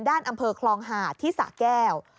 อำเภอคลองหาดที่สะแก้ว